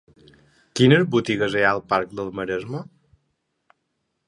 Quines botigues hi ha al parc del Maresme?